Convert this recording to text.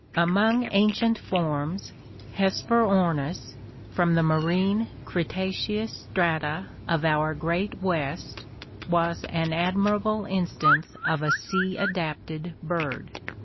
Among ancient forms, Hesperornis (see PL XV) from the marine Cretaceous strata of our great West was an admirable instance of a sea adapted bird.